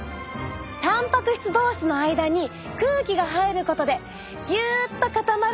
たんぱく質同士の間に空気が入ることでぎゅっと固まるのを防げるんです。